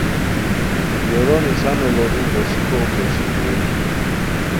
یورو نݰانو لوڑی بو ݰیکو پیشنگوئی